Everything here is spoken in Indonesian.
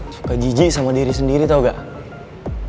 suka jijik sama diri sendiri tau gak